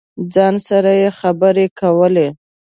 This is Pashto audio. ځان سره یې خبرې کولې.